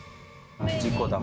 事故だ。